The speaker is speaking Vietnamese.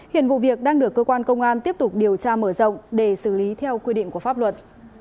hiện vụ việc đang được cơ quan công an tiếp tục điều tra mở rộng để xử lý theo quy định của pháp luật